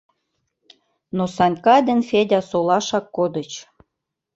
Но Санька ден Федя солашак кодыч.